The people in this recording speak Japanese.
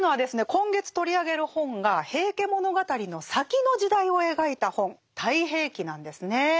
今月取り上げる本が「平家物語」の先の時代を描いた本「太平記」なんですね。